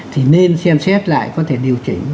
thì nên xem xét lại có thể điều chỉnh